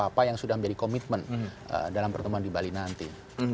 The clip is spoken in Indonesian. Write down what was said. apa yang sudah menjadi komitmen dalam pertemuan di bali nanti